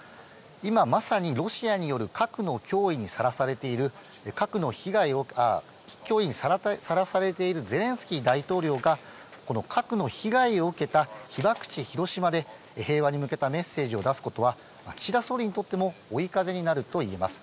今まさにロシアによる核の脅威にさらされているゼレンスキー大統領が、この核の被害を受けた被爆地広島で平和に向けたメッセージを出すことは、岸田総理にとっても追い風になるといえます。